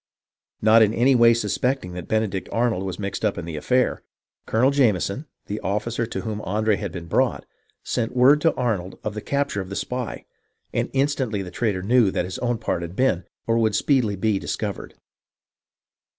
Not in any way suspecting that Benedict Arnold was mixed up in the affair. Colonel Jameson, the officer to whom Andre had been brought, sent word to Arnold of the capture of the spy, and instantly the traitor knew that his own part had been, or would speedily be, discovered.